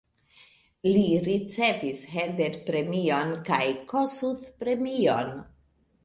Li ricevis Herder-premion kaj Kossuth-premion.